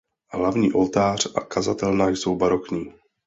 Hlavní oltář a kazatelna jsou barokní.